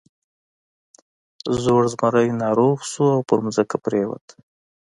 زوړ زمری ناروغ شو او په ځمکه پریوت.